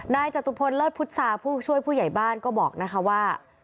จตุพลเลิศพุษาผู้ช่วยผู้ใหญ่บ้านก็บอกนะคะว่า